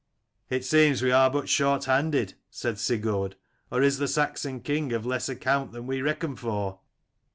"'It seems we are but short handed,' said Sigurd: 'or is the Saxon king of less account than we reckon for